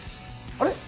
あれ？